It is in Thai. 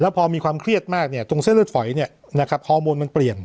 พอมีความเครียดมากตรงเส้นเลือดฝอยฮอร์โมนมันเปลี่ยน